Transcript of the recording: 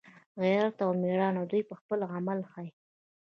غیرت او میړانه دوی په خپل عمل یې ښایي